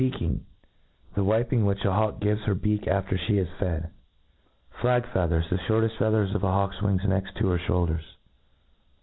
162 » r'eaking'; the wiping which a hawk gives her beak after fhe is fed Flag feathers ; the fliorteft feathers of a hawk's wings next to the ftiouldcrs.